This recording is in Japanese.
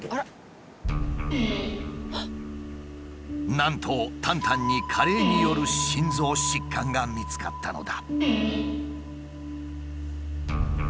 なんとタンタンに加齢による心臓疾患が見つかったのだ。